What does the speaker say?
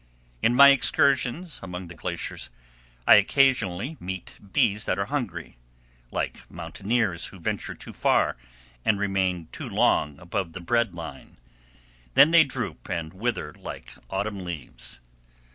In my excursions among the glaciers I occasionally meet bees that are hungry, like mountaineers who venture too far and remain too long above the bread line; then they droop and wither like autumn leaves.